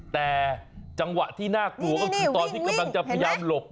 แต่จังหวะที่น่ากลัวก็คือตอนที่กำลังจะพยายามหลบ